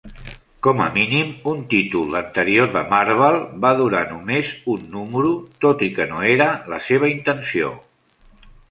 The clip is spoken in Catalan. Com a mínim un títol anterior de Marvel va durar només un número, tot i que no era la seva intenció.